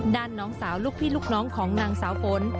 น้องสาวลูกพี่ลูกน้องของนางสาวฝน